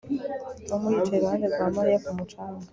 Tom yicaye iruhande rwa Mariya ku mucanga